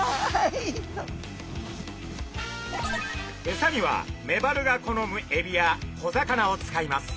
エサにはメバルが好むエビや小魚を使います。